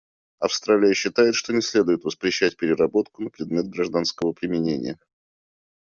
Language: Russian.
Австралия считает, что не следует воспрещать переработку на предмет гражданского применения.